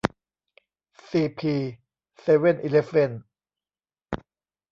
ซีพี เซเว่นอีเลฟเว่น